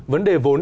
vấn đề vốn